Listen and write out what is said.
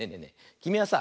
きみはさ